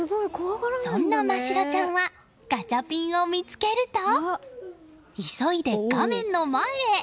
そんな真白ちゃんはガチャピンを見つけると急いで画面の前へ！